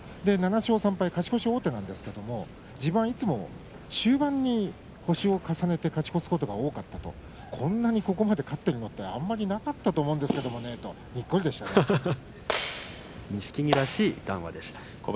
７勝３敗、勝ち越し王手なんですけど自分は、いい相撲終盤に星を重ねて勝ち越すことが多かったと、こんなにここまで勝っているのってあまりなかったと思うんですけど錦木らしい談話でした。